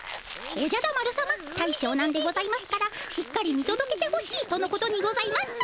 おじゃダ丸様大将なんでございますからしっかり見とどけてほしいとのことにございます。